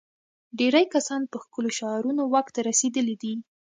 ډېری کسان په ښکلو شعارونو واک ته رسېدلي دي.